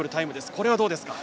これはどうですか。